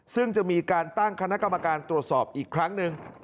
ซึ่งจะมีการตั้งคณะกรรมการตรวจสอบอีกครั้งหนึ่ง